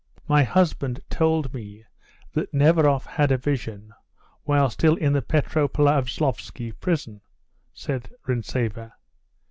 "My husband told me that Neveroff had a vision while still in the Petropavlovski prison," said Rintzeva.